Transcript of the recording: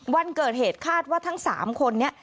วันเกิดเหตุคาดว่าทั้ง๓คนนี้